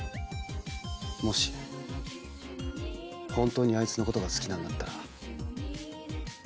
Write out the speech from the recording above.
もし本当にあいつのことが好きなんだったらよく考えてみて。